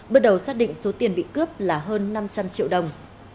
bước đầu xác định số tiền bị cướp là hơn năm trăm linh triệu đồng